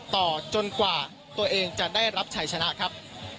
จนกว่าตัวเองจะได้รับชัยชนะครับ